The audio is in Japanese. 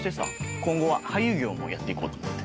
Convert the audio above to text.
今後は俳優業もやっていこうと思ってる。